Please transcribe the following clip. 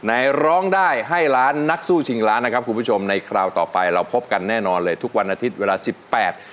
ร้องได้ให้ล้านนักสู้ชิงล้านนะครับคุณผู้ชมในคราวต่อไปเราพบกันแน่นอนเลยทุกวันอาทิตย์เวลาสิบแปด